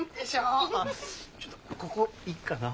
ちょっとここいいかな？